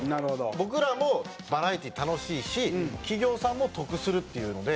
僕らもバラエティー楽しいし企業さんも得するっていうので。